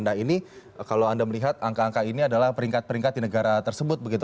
nah ini kalau anda melihat angka angka ini adalah peringkat peringkat di negara tersebut begitu